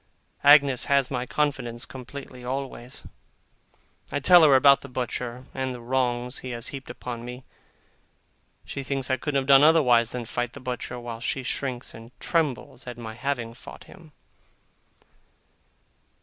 Agnes has my confidence completely, always; I tell her all about the butcher, and the wrongs he has heaped upon me; she thinks I couldn't have done otherwise than fight the butcher, while she shrinks and trembles at my having fought him.